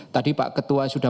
tadi pak ketua sudah